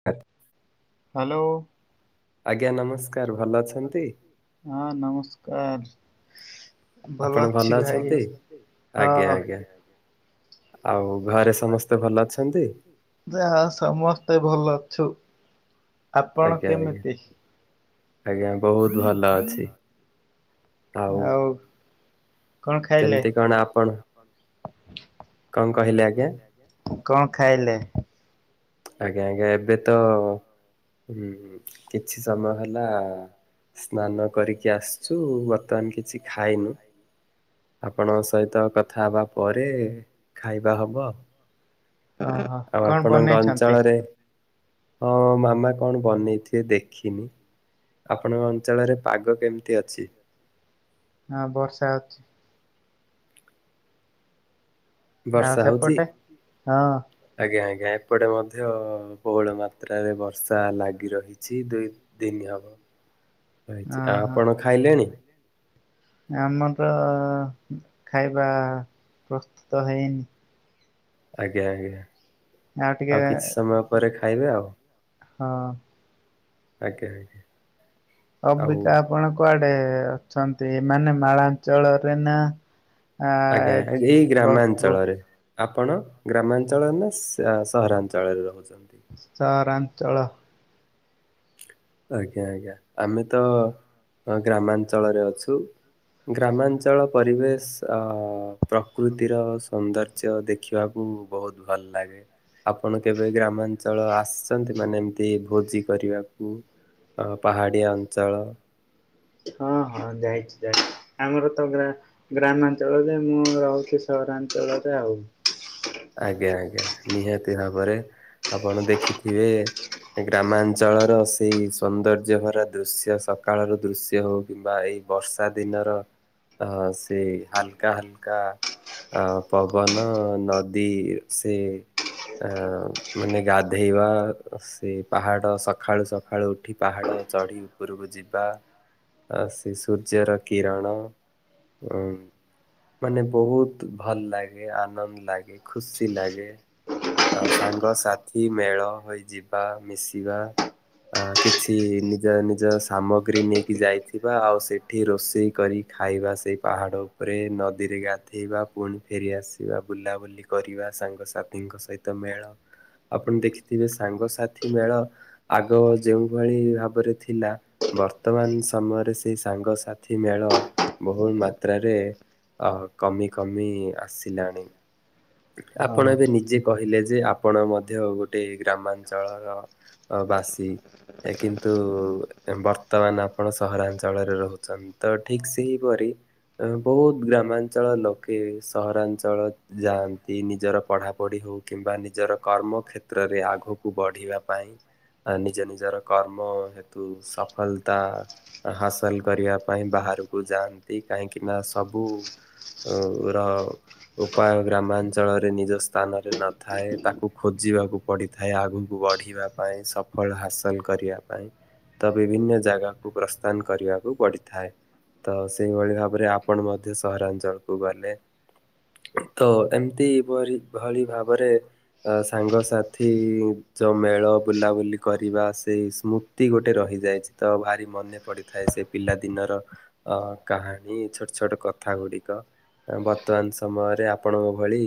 [unintelligible] Hello. ଆଜ୍ଞା ନମସ୍କାର ଭଲ ଅଛନ୍ତି? ହଁ ନମସ୍କାର। ଭଲ ଆପଣ ଅଛି ଭାଇ ଅଛନ୍ତି? ଆଜ୍ଞା ହଁ। ଆଜ୍ଞା ଆଉ ଘରେ ସମସ୍ତେ ଭଲ ଅଛନ୍ତି? ଦେ ହଁ ସମସ୍ତେ ଭଲ ଅଛୁ। ଆପଣ ଆଜ୍ଞା ଆଜ୍ଞା କେମିତି? ଆଜ୍ଞା ବୋହୁତ ଭଲ ଅଛି। ଆଉ କଣ ଖାଇଲେ କେମତି କଣ ଆପଣ କଣ କହିଲେ ଆଜ୍ଞା? କ-କଣ ଖାଇଲେ? ଆଜ୍ଞା ଆଜ୍ଞା ଏବେ ତ କିଛି ସମୟ ହେଲା ସ୍ନାନ କରିକି ଆସିଚୁ ବର୍ତ୍ତମାନ କିଛି ଖାଇନୁ। ଆପଣଙ୍କ ସହିତ କଥା ହେବା ପରେ ଖାଇବା ହବ। ଓହୋ ଆଉ କଣ ଆପଣଙ୍କ ବନେଇଛନ୍ତି? ଅଞ୍ଚଳରେ, ହଁ ମାମା କଣ ବନେଇଥିବେ ଦେଖିନି। ଆପଣଙ୍କ ଅଞ୍ଚଳରେ ପାଗ କେମିତି ଅଛି? ହଁ ବର୍ଷା ହୋଉଚି। ଆଉ ବର୍ଷା ହେଉଚି? ସେପଟେ ହଁ ଆଜ୍ଞା ଆଜ୍ଞା ଏପଟେ ମଧ୍ୟ ବୋହୁଳ ମାତ୍ରାରେ ବର୍ଷା ଲାଗି ରହିଚି ଦୁଇ ଦିଲ୍ଲି [unintelligible] ହବ ରହିଚି ଓହୋ ଆ-ଆପଣ ଖାଇଲେଣି? ଆମର ଖାଇବା ପ୍ରସ୍ତୁତ ହେଇନି। ଆଜ୍ଞା ଆଜ୍ଞା ଆଉ କିଛି ସମୟ ପରେ ଖାଇବେ ଆଉ। ହଁ। ଆଜ୍ଞା ଆଜ୍ଞା। ଆଉ ଅବିକା ଆପଣ କୁଆଡେ ଅଛନ୍ତି ମାନେ ମାଳାଞ୍ଚଳରେ ନା ଆ ଆଜ୍ଞା ଏଇ ବ ବ ଗ୍ରାମାଞ୍ଚଳରେ। ଆପଣ ଗ୍ରାମାଞ୍ଚଳରେ ନା ସ-ସହରାଞ୍ଚଳରେ ରହୁଚନ୍ତି? ସହରାଞ୍ଚଳ। ଆଜ୍ଞା ଆଜ୍ଞା ଆମେ ତ ଗ୍ରାମାଞ୍ଚଳରେ ଅଛୁ। ଗ୍ରାମାଞ୍ଚଳ ପରିବେଶ୍ ପ୍ରକୃତିର ସୌନ୍ଦ ର୍ଯ୍ୟ ଦେଖିବାକୁ ବୋହୁତ ଭଲ ଲାଗେ। ଆପଣ କେବେ ଗ୍ରାମାଞ୍ଚଳ ଆସିଚନ୍ତି ମାନେ ଏମତି ଭୋଜି କରିବାକୁ ଆ ପାହାଡିଆ ଅଞ୍ଚଳ। ହଁ ହଁ ଯାଇଚି ଯାଇଚି ଆମର ତ ଗ୍ରାମାଞ୍ଚଳରେ ମୁଁ ରହୁଚି ସହରାଞ୍ଚଳରେ ଆଉ। ଆଜ୍ଞା ଆଜ୍ଞା ନିହାତି ଭାବରେ ଆପଣ ଦେଖିଥିବେ। ଏ ଗ୍ରାମାଞ୍ଚଳର ସେଇ ସୌନ୍ଦର୍ଯ୍ୟ ଭରା ଦୃଶ୍ୟ ସକାଳର ଦୃଶ୍ୟ ହୋଉ କିମ୍ବା ଏଇ ବର୍ଷା ଦିନର ଅ ସେ ହାଲକା ହାଲକା ଆଉ ପବନ ନଦୀ ସେ ଆ ମାନେ ଗାଧେଇବା ସେ ପାହାଡ ସଖାଳୁ ସକାଳୁ ଉଠି ପାହାଡ଼ ଚଢି ଉପୁରୁକୁ ଯିବା ଆ ସେ ସୂର୍ଯ୍ୟର କିରଣ। ଅଁ ମାନେ ବହୁତ୍ ଭଲ ଲାଗେ ଆନନ୍ଦ ଲାଗେ। ଖୁସି ଲାଗେ। ଆଉ ସାଙ୍ଗସାଥି ମେଳ ହୋଇଯିବା ମିଶିବା। ଆ କିଛି ନିଜ ନିଜ ସାମଗ୍ରୀ ନେଇକି ଯାଇଥିବା ଆଉ ସେ ଠି ରୋଷେଇ କରିକି ଖାଇବା ସେଇ ପାହାଡ଼ ଉପରେ ନଦୀରେ ଗାଧେଇବା ପୁଣି। ଫେରିଆସିବା ବୁଲାବୁଲି କରିବା ସାଙ୍ଗସାଥିଙ୍କ ସହିତ ମେଳ। ଆପଣ ଦେଖିଥିବେ ସାଙ୍ଗସସାଥି ମେଳ ଆଗ ଯେଉଁଭଳି ଭାବରେ ଥିଲା। ବର୍ତ୍ତମାନ ସମୟରେ ସେଇ ସାଙ୍ଗସାଥି ମେଳ ବହୁ ମାତ୍ରାରେ। ଆହ କମି କମି ଆସିଲାଣି। ଆପଣ ହଁ। ଏବେ ନିଜେ କହିଲେ ଯେ ଆପଣ ମଧ୍ୟ ଗୋଟେ ଗ୍ରାମାଞ୍ଚଳର। ଅ ବାସି। ଏ କିନ୍ତୁ ବର୍ତ୍ତମାନ ଆପଣ ସହରାଞ୍ଚଳରେ ରହୁଛନ୍। ତ ଠିକ୍ ସେହିପରି। ଅ ବହୁତ ଗ୍ରାମାଞ୍ଚଳ ଲୋକେ ସହରାଞ୍ଚଳ ଯାଆଁ ତି ନିଜର ପଢ଼ାପଢ଼ି ହୋଉ କିମ୍ବା ନିଜର କର୍ମକ୍ଷେତ୍ରରେ ଆଗକୁ ବଢ଼ିବା ପାଇଁ। ଆ ନିଜ ନିଜର କର୍ମ ହେତୁ ସଫଲତା। ହାସଲ କରିବା ପାଇଁ ବାହାରୁକୁ ଯାଆନ୍ତି କାହିଁକିନା ସବୁ। ରଉ ର ଉପାୟ ଗ୍ରାମା ଅଞ୍ଚଳରେ ନିଜ ସ୍ଥାନରେ ନଥାଏ ତାକୁ ଖୋଜିବାକୁ ପଡ଼ିଥାଏ ଆଗୁକୁ ବଢ଼ିବା। ପାଇଁ ସଫଳ ହାସଲ କରିବା ପାଇଁ। ତ ବିଭିନ୍ନ ଜାଗାକୁ ପ୍ରସ୍ଥାନ କରିବାକୁ ପଡ଼ିଥାଏ। ତ ସେଇଭଳି ଭାବରେ ଆପଣ ମଧ୍ୟ ସହରାଞ୍ଚଳ କୁ ଗଲେ ତ। ଏମ୍ତି ପରି ଭଳି ଭାବରେ। ଅ ସାଙ୍ଗସାଥି ଯୋଉ ମେଳ ବୁଲାବୁଲି କରିବା ସେଇ ସ୍ମୁ ତି ଗୋଟେ ରହିଯାଇଛି ତ ଭାରି ମନେ ପଡିଥାଏ ସେ ପିଲା ଦିନର। ଅ କାହାଣୀ ଛୋଟ ଛୋଟ କଥା ଗୁଡିକ ବର୍ତ୍ତମାନ ସମୟରେ ଆପଣଙ୍କ। ଭଳି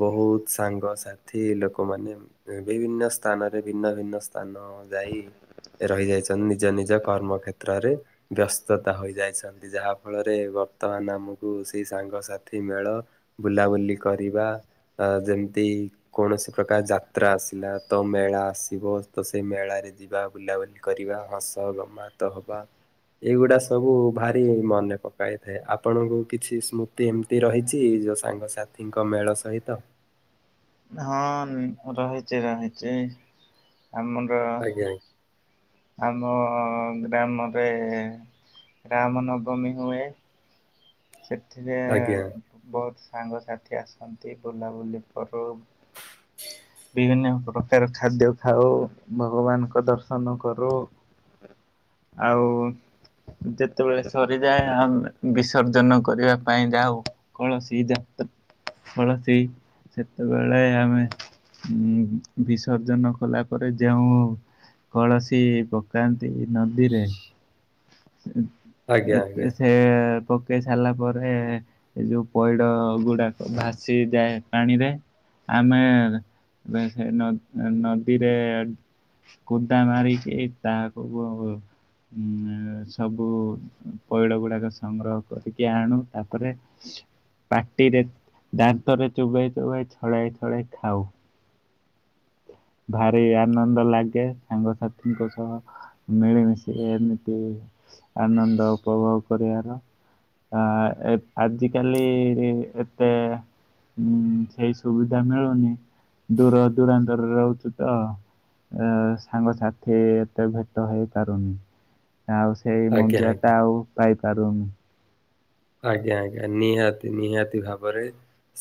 ବହୁତ୍ ସାଙ୍ଗସାଥି ଲୋକମାନେ। ବିଭିନ୍ନ ସ୍ଥାନରେ ଭିନ୍ନ ଭିନ୍ନ ସ୍ଥାନ ଯାଇ। ରହିଯାଇଛନ୍ତି ନିଜ ନିଜ କର୍ମ କ୍ଷେତ୍ରରେ ବ୍ୟସ୍ତତା ହୋଇଯାଇଛନ୍ ତି ଯାହା ଫଳରେ ବର୍ତ୍ତମାନ ଆମୁକୁ ସେଇ ସାଙ୍ଗସାଥି ମେଳ ବୁଲାବୁଲି। କରିବା ଆ ଯେମତି। କୌଣସି ପ୍ରକାର ଯାତ୍ରା ଆସିଲା ତ ମେଳା ଆସିବ ତ ସେଇ ମେଳାରେ। ଯିବା ବୁଲାବୁଲି କରିବା ହସ ଗମାତ ହବା। ଏଇଗୁଡା ସବୁ ଭାରି ମନେ ପକାଇଥାଏ ଆପଣଙ୍କୁ କିଛି ସ୍ମୁ ତି ଏମତି ରହିଛି ଯୋଉ ସାଙ୍ଗସାଥିଙ୍କ ମେଳ ସହିତ? ହଁ ରହିଚି ରହିଚି ଏଇ ଆମର। ଆଜ୍ଞା ଆମ ଗ୍ରାମରେ ରାମନବମୀ ହୁଏ। ସେଥିରେ ଆଜ୍ଞା ବହୁତ ସାଙ୍ଗସାଥି ଆସନ୍ତି ବୁଲାବୁଲି କରୁ। [unintelligible] ବିଭିନ୍ନ ପ୍ରକାର ଖାଦ୍ୟ ଖାଉ ଭଗବାନଙ୍କ ଦର୍ଶନ କରୁ। ଆଉ। ଯେତେବେଳେ ସରିଯାଏ ଆମେ ବିସର୍ଜନ କରିବା ପାଇଁ ଯାଉ। କଳସୀ ଯାତ୍ର କଳସୀ ସେତେବେଳେ ଆମେ। ଉଁ ବିସର୍ଜନ କଲା ପରେ ଯେଉଁ। କଳସୀ ପକାନ୍ତି ନଦୀରେ ଆଜ୍ଞା ଆଜ୍ଞା ସେ ପକେଇ ସାରିଲା ପରେ ଏ ଯୋଉ ପଇଡ ଗୁଡାକ ଭାସି ଯାଏ ପାଣିରେ ଆମେ ସେ ନଦୀରେ କୁଦା ମାରିକି ତାହାକୁ ଉ ସବୁ ପଇଡ ଗୁଡାକ ସଂଗ୍ରହ କରିକି ଆଣୁ। ତାପରେ ପାଟିରେ ଦାନ୍ତରେ ଚୋବୋଇ ଚୋବେଇ ଛଡ଼ାଇ ଛଡ଼ାଇ ଖାଉ। ଭାରି ଆନନ୍ଦ ଲାଗେ ସାଙ୍ଗସାଥିଙ୍କ ସହ। ମିଳିମିଶି ଏମିତି ଆନନ୍ଦ ଉପଭୋଗ କରିବାର। ଆ ଏ ଆଜିିକାଲି ଏତେ ହୁଁ ସେଇ ସୁବିଧା ମିଳୁନି ଦୂର ଦୂରାନ୍ତରେ ରହୁଛି ତ ସାଙ୍ଗସାଥି ଏତେ ଭେଟ ହେଇପାରୁନି। ଆଉ ସେଇ ଆଜ୍ଞା ମଜ୍ଜା ଆଜ୍ଞା ଟା ଆଉ ପାଇପାରୁନ୍। ଆଜ୍ଞା ଆଜ୍ଞା ନିହାତି ନିହାତି ଭାବରେ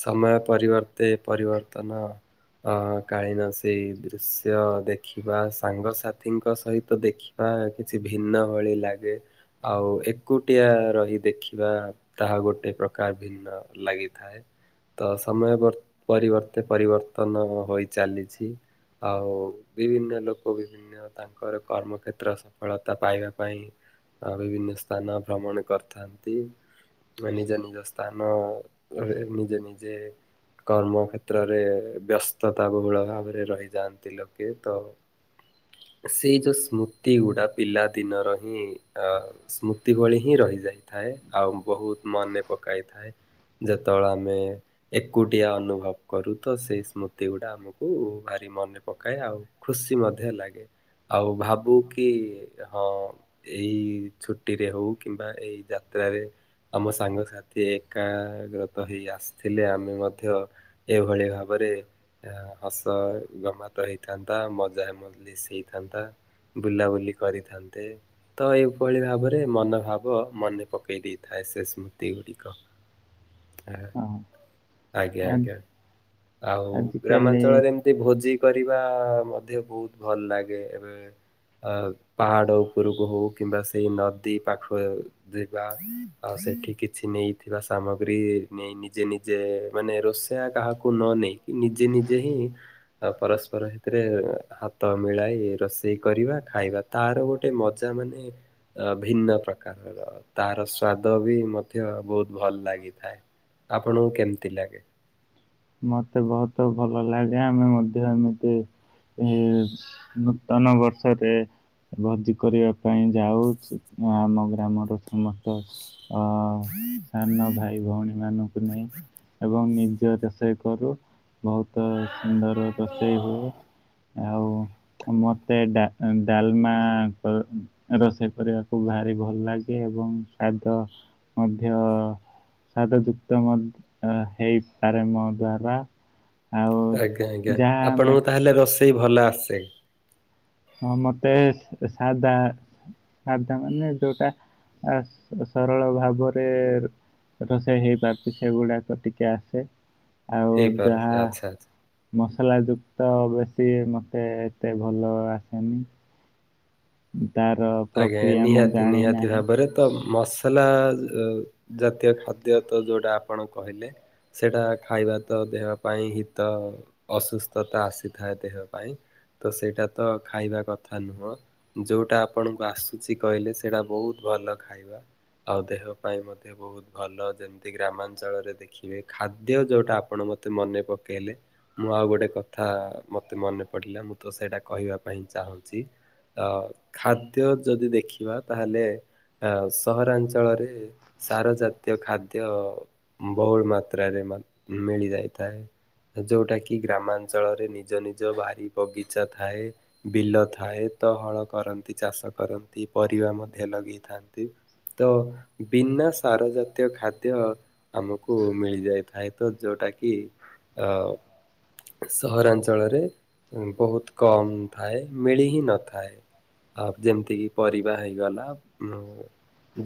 ସମୟ ପରିବର୍ତ୍ତେ ପରିିବର୍ତ୍ତନ ଅ କାଳୀନ ସେଇ ଦୃଶ୍ୟ ଦେଖିବା ସାଙ୍ଗସାଥିଙ୍କ ସହିତ ଦେଖି ବା କିଛି ଭିନ୍ନ ଭଳି ଲାଗେ। ଆଉ ଏକୁଟିଆ ରହି ଦେଖି ବା ତାହା ଗୋଟେ ପ୍ରକାର ଭିନ୍ନ ଲାଗିଥାଏ। ତ ସମୟ ପରିବର୍ତ୍ତେ ପରିବର୍ତ୍ତନ ହୋଇ ଚାଲିଛି। ଆଉ ବିଭିନ୍ନ ଲୋକ ବି ତାଙ୍କର କର୍ମକ୍ଷେତ୍ର ସଫଳତା ପାଇବା ପାଇଁ ଆ ବିଭିନ୍ନ ସ୍ଥାନ ଭ୍ରମଣ କରିଥାନ୍ତି। ନିଜ ନିଜ ସ୍ଥାନ ନିଜେ ନିଜେ କର୍ମ କ୍ଷେତ୍ରରେ ବ୍ୟସ୍ତତା ବହୁଳ ଭାବରେ ରହିଯାଆନ୍ତି ଲୋକେ ତ ସେଇ ଯୋଉ ସ୍ମୃତି ଗୁଡା ପିଲା ଦିନର ହିଁ ଅ ସ୍ମୃତି ଭଳି ହିଁ ରହିଯାଇଥାଏ। ଆଉ ବହୁତ ମନେ ପକାଇଥାଏ। ଯେତବେଳେ ଆମେ ଏକୁଟିଆ ଅନୁଭବ କରୁ ତ ସେଇ ସ୍ମୃତି ଗୁଡା ଆମକୁ ଭାରି ମନେ ପକାଏ ଆଉ ଖୁସି ମଧ୍ୟ ଲାଗେ ଆଉ ଭାବୁ କି ହଁ ଏହି ଛୁଟି ରେ ହଉ କିମ୍ବା ଏଇ ଯାତ୍ରାରେ ଆମ ସାଙ୍ଗସାଥି ଏକାଗ୍ରତ ହେଇ ଆସିଥିଲେ ଆମେ ମଧ୍ୟ ଏଇଭଳି ଭାବରେ ହସ ଗମାତ ହେଇଥାନ୍ତା ମଜା ମଜଲି ହେଇଥାନ୍ତା ବୁଲାବୁଲି କରିଥାନ୍ତେ ତ ଏଇଭଳି ଭାବରେ ମନୋଭାବ ମନେ ପକେଇ ଦେଇଥାଏ ସେ ସ୍ମୃତି ଗୁଡିକ। ହଁ। ଆଜ୍ଞା ଆ ଆଜ୍ଞା ଆଉ ଆଜିକାଲି ଗ୍ରାମାଞ୍ଚଳରେ ଭୋଜି କରିବା ମଧ୍ୟ ବହୁତ ଭଲ ଲାଗେ ଏବେ ଅ ପାହାଡ଼ ଉପରକୁ ହଉ କିମ୍ବା ସେଇ ନଦୀ ପାଖ ଯିବା ଆଉ ସେଠି କିଛି ନେଇଥିବା ସାମଗ୍ରୀ ନେଇ ନିଜେ ନି ଜେ ମାନେ ରୋଷେଇଆ କାହାକୁ ନ ନେଇକି ନିଜେ ନିଜେ ହିଁ ଆ ପରସ୍ପର ହାତରେ ହାତ ମିଳାଇ ରୋଷେଇ କରିବା ଖାଇବା ତାର ଗୋଟେ ମଜା ମାନେ ଅ ଭିନ୍ନ ପ୍ରକାରର ତାର ସ୍ଵାଦ ବି ମଧ୍ୟ ବହୁତ ଭଲ ଲାଗିଥାଏ। ଆପଣଙ୍କୁ କେମିତି ଲାଗେ? ମତେ ବହୁତ ଭଲ ଲାଗେ ଆମେ ମଧ୍ୟ ଏମିତି ଏ ନୂତନ ବର୍ଷରେ ଭର୍ତି କରିବା ପାଇଁ ଯାଉ ଆମ ଗ୍ରାମର ସମସ୍ତ ଅ ସାନ ଭାଇ ଭଉଣୀ ମାନଙ୍କୁ ନେଇ ଏବଂ ନିଜ ଦେ ରୋଷେଇ କରୁ ବହୁତ ସୁନ୍ଦର ରୋଷେଇ ହୁଏ। [inaudible] ମତେ ଡାଲମା ରୋଷେଇ କରିବାକୁ ଭାରି ଭଲ ଲାଗେ ଏବଂ ସ୍ଵାଦ ମଧ୍ୟ ସଦ ଯୁକ୍ତ ମଧ୍ୟ ହେଇପାରେ ମୋ ଦ୍ଵାରା। ଆଜ୍ଞା ଆଜ୍ଞା ଆପଣଙ୍କୁ ତାହେଲେ ରୋଷେଇ ଭଲ ଆସେ। ହଁ ମତେ ସାଦା ସା ଦା ମାନେ ଯୋଉଟା ସରଳ ଭାବରେ ତଥା ସେ ସେଇ ବାପି ସେ ଗୁଡାକ ଟିକେ ଆସେ ଆଉ ଯାହା ହେଇପାରୁଛି ଆଚ୍ଛା। ମସଲା ଯୁକ୍ତ ବେଶୀ ମତେ ଏତେ ଭଲ ଆସେନି। ତାର ଆଜ୍ଞା ଆଜ୍ଞା ପ୍ରକ୍ରିୟା ମୁଁ ନିହାତି ଜାଣି ନିହାତି ନାହିଁ। ଭାବରେ। ତ ମସଲା ଜାତୀୟ ଖାଦ୍ୟ ତ ଯୋଉଟା ଆପଣ କହିଲେ। ସେଇଟା ଖାଇବା ତ ଦେହ ପାଇଁ ହିତ। ଅସୁସ୍ଥତା ଆସିଥାଏ ଦେହ ପାଇଁ। ତ ସେଇଟା ତ ଖାଇବା କଥା ନୁହଁ ଯୋଉଟା ଆପଣଙ୍କୁ ଆସୁଛି କହିଲେ ସେଇଟା ବହୁତ ଭଲ ଖାଇବା ଆଉ ଦେହ ପାଇଁ ମଧ୍ୟ ବହୁ ବହୁତ ଭଲ ଯେମିତି ଗ୍ରାମାଞ୍ଚଳରେ ଦେଖିବେ ଖାଦ୍ୟ ଯୋଉଟା ଆପଣ ମତେ ମନେ ପକେଇଲେ। ମୁଁ ଆଉ ଗୋଟେ କଥା ମତେ ମନେ ପଡ଼ିଲା ମୁଁ ତ ସେଇଟା କହିବା ପାଇଁ ଚାହୁଁଛି। ଅ ଖାଦ୍ୟ ଯଦି ଦେଖିବା ତାହେଲେ ଆ ସହରାଞ୍ଚଳରେ ସାର ଜାତୀୟ ଖାଦ୍ୟ ବହୁଳ ମାତ୍ରାରେ ମିଳି ଯାଇଥାଏ। ଯୋଉଟା କିି ଗ୍ରାମାଞ୍ଚଳରେ ନିଜ ନିଜ ବାରି ବଗିଚା ଥାଏ। ବିଲ ଥାଏ ତ ହଳ କରନ୍ତି ଚାଷ କରନ୍ତି ପରିବା ମଧ୍ୟ ଲଗେଇଥାନ୍ତି। ତ ବିନା ସାର ଜାତୀୟ ଖାଦ୍ୟ ଆମକୁ ମିଳିଯାଇଥାଏ ତ ଯୋଉଟା କି ଅ ସହରାଞ୍ଚଳରେ ବହୁତ କମ୍ ଥାଏ ମିଳି ହିଁ ନଥାଏ। ଆ ଯେମିତି କିି ପରିବା ହେଇଗଲା।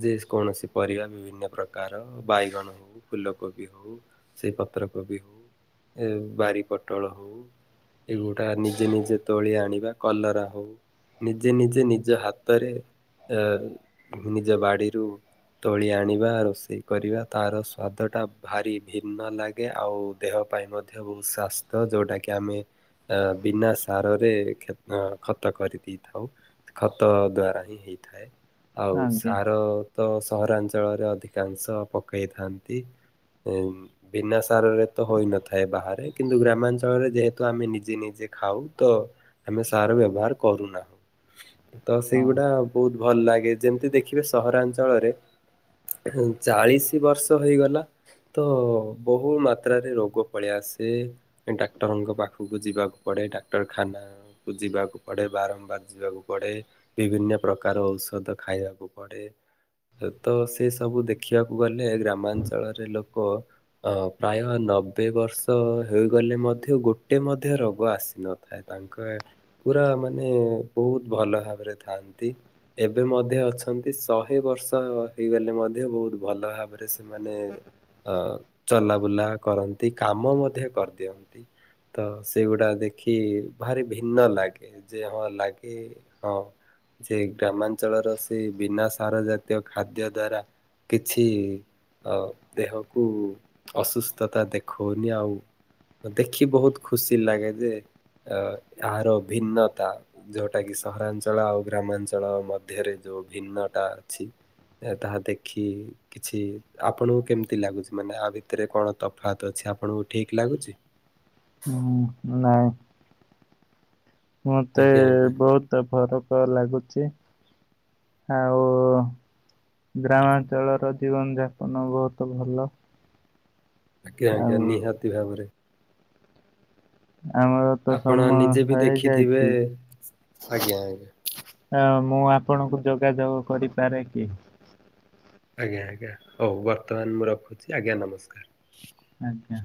ଯେ କୌଣସି ପରିବା ବିଭିନ୍ନ ପ୍ରକାର ବାଇଗଣ ହଉ ଫୁଲକୋବି ହଉ। ସେଇ ପତ୍ରକୋବି ହଉ ଏ ବାରି ପୋଟଳ ହଉ। ଏଗୁଡା ନିଜେ ନିଜେ ତୋଳି ଆଣିବା କଲରା ହଉ। ନିଜେ ନିଜେ ନିଜ ହାତରେ ନିଜ ବାଡିରୁ ତୋଳି ଆଣିବା ରୋଷେଇ କରିବା ତାର ସ୍ଵାଦଟା ଭାରି ଭିନ୍ନ ଲାଗେ ଆଉ ଦେହ ପାଇଁ ମଧ୍ୟ ବହୁତ ଶ୍ୱାସ୍ଥ୍ୟ ଯୋଉଟା କିି ଆମେ ଅ ବିନା ସାରରେ ଖତ କରିଦି ଥାଉ ଖତ ଦ୍ଵାରା ହିଁ ହେଇଥାଏ ଆଉ ଆଜ୍ଞା। ସାର ତ ସହରାଞ୍ଚଳରେ ଅଧିକାଂଶ ପକାଇଥାନ୍ତି। ବିନା ସାରରେ ତ ହୋଇନଥାଏ ବାହାରେ କିନ୍ତୁ ଗ୍ରାମାଞ୍ଚଳରେ ଯେହେତୁ ଆମେ ନିଜେ ନିଜେ ଖାଉ ତ ଆମେ ସାର ବ୍ୟବହାର କରୁନା। ତ ହଁ ସେଇଗୁଡା ବହୁତ ଭଲ ଲାଗେ ଯେମିତି ଦେଖିବେ ସହରାଞ୍ଚଳରେ ଚାଳିଶ ବର୍ଷ ହେଇଗଲା ତ ବହୁ ମାତ୍ରାରେ ରୋଗ ପଳେଇ ଆସେ। ଏ ଡାକ୍ତରଙ୍କ ପାଖକୁ ଯିବାକୁ ପଡେ ଡାକ୍ତରଖାନା କୁ ଯିବାକୁ ପଡେ ବାରମ୍ବାର। ଯିବାକୁ ପଡେ ବିଭିନ୍ନ ପ୍ରକାର ଔଷଧ ଖାଇବାକୁ ପଡେ। ତେତ ସେ ସବୁ ଦେଖିବାକୁ ଗଲେ ଗ୍ରାମାଞ୍ଚଳରେ ଲୋକ ଅ ପ୍ରାୟ ନବେ ବର୍ଷ ହୋଇଗଲେ ମଧ୍ୟ ଗୋଟେ ମଧ୍ୟ ରୋଗ ଆସିନଥାଏ। ତାଙ୍କ ପୁରା ମାନେ ବହୁତ ଭଲ ଭାବରେ ଥାଆନ୍ତି। ଏବେ ମଧ୍ୟ ଅଛନ୍ତି ଶହେ ବର୍ଷ ହେଇଗଲେ ମଧ୍ୟ ବହୁତ ଭଲ ଭାବେ ରେ ସେମାନେ ଅ ଚଲାବୁଲା କରନ୍ତି କାମ ମଧ୍ୟ କରିଦିଅନ୍ତି। ତ ସେଇଗୁଡା ଦେଖି ଭାରି ଭିନ୍ନ ଲାଗେ ଯେ ହଁ ଲାଗେ ଗେ ହଁ। ଯେ ଗ୍ରାମାଞ୍ଚଳର ସେଇ ବିନା ସାର ଜାତୀୟ ଖାଦ୍ୟ ଦ୍ଵାରା କିଛି ଦେହକୁ ଅସୁସ୍ଥତା ଦେଖଉନି ଆଉ। ଦେଖି ବହୁତ ଖୁସି ଲାଗେ ଯେ ଅ ଏହାର ଭିନ୍ନତା [inaudible] ଏଟା କିି ସହରାଞ୍ଚଳ ଆଉ ଗ୍ରାମାଞ୍ଚଳ ମଧ୍ୟରେ ଯୋଉ ଭିନ୍ନତା ଅଛି। ଏ ତାହା ଦେଖି କିଛି ଆପଣଙ୍କୁ କେମିତି ଲାଗୁଛି ମାନେ ଆ ଭିତରେ କଣ ତଫାତ୍ ଅଛି ଆପଣଙ୍କୁ ଠିକ ଲାଗୁଛି? ହୁଁ ନାଇଁ। ମତେ ଆଜ୍ଞା ଆଜ୍ଞା ବହୁତ ଫରକ ଲାଗୁଛି ଆଉ ଗ୍ରାମାଞ୍ଚଳର ଜୀବନ ଯାପନ ବହୁତ ଭଲ। ଆଜ୍ଞା ଆଜ୍ଞା ଆଉ ନିହାତି ଭାବରେ। ଆମର ତ ଆପଣ ସମୟ ନିଜେ ବି ଦେଖିଥିବେ ହେଇଯାଇଛି। ଆଜ୍ଞା ଆଜ୍ଞା। ହ ମୁଁ ଆପଣଙ୍କୁ ଯୋଗାଯୋଗ କରିପାରେ କି? ଆଜ୍ଞା ଆଜ୍ଞା ହଉ ବର୍ତ୍ତମାନ ମୁଁ ରଖୁଛି ଆଜ୍ଞା ନମସ୍କାର। ଆଜ୍ଞା।